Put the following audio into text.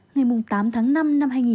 ngày tám tháng năm năm hai nghìn một mươi chín